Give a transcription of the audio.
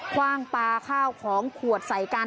คว่างปลาข้าวของขวดใส่กัน